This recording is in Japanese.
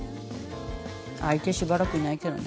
相手しばらくいないけどね。